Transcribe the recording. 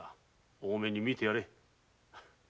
大目にみてやれ。